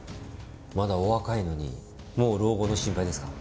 まだお若いのにもう老後の心配ですか？